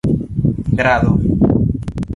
grado